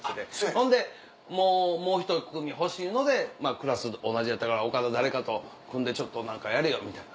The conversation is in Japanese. ほんでもう１組欲しいのでクラス同じやったから岡田誰かと組んでちょっと何かやれよみたいな。